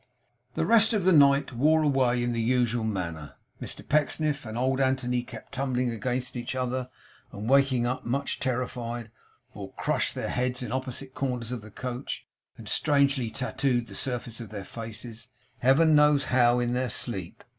The rest of the night wore away in the usual manner. Mr Pecksniff and Old Anthony kept tumbling against each other and waking up much terrified, or crushed their heads in opposite corners of the coach and strangely tattooed the surface of their faces Heaven knows how in their sleep.